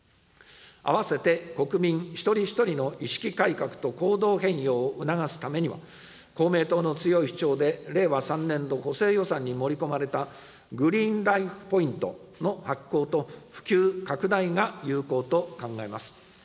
併せて、国民一人一人の意識改革と行動変容を促すためには、公明党の強い主張で令和３年度補正予算に盛り込まれたグリーンライフ・ポイントの発行と普及・拡大が有効と考えます。